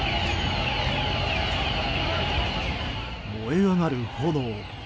燃え上がる炎。